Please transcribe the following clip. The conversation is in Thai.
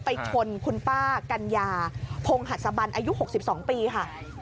ไปชนคุณป้ากัญญาพงหัสบันอายุ๖๒ปีค่ะ